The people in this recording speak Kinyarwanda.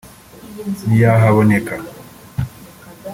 ntiyahaboneka